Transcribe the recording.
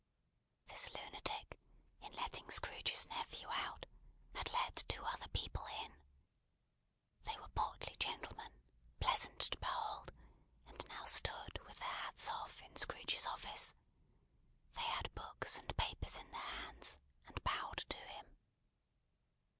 This lunatic, in letting Scrooge's nephew out, had let two other people in. They were portly gentlemen, pleasant to behold, and now stood, with their hats off, in Scrooge's office. They had books and papers in their hands, and bowed to him.